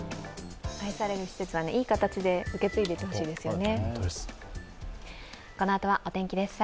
愛される施設なので、いい形で受け継いでいってほしいですね。